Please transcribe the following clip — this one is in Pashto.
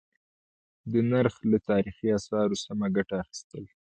د نرخ له تاريخي آثارو سمه گټه اخيستل: